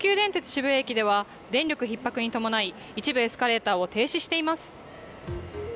渋谷駅では電力ひっ迫に伴い、一部エスカレーターを停止しています。